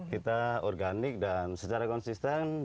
kita organik dan secara konsisten